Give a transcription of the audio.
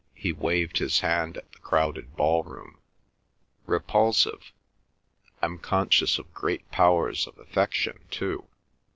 he waved his hand at the crowded ballroom. "Repulsive. I'm conscious of great powers of affection too.